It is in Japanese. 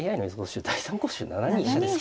手第３候補手７二飛車ですか。